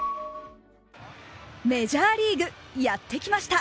メジャーリーグやってきました